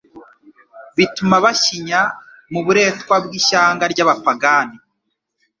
bituma bashyinya mu buretwa bw'ishyanga ry'abapagani.